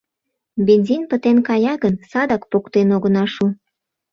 Бензин пытен кая гын, садак поктен огына шу.